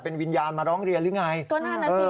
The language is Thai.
เป็นวิญญาณมาร้องเรียนหรือไง